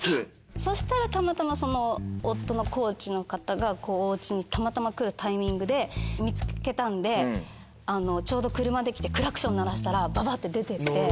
そしたらたまたま夫のコーチの方がお家にたまたま来るタイミングで見つけたんでちょうど車で来てクラクション鳴らしたらババ！って出てって。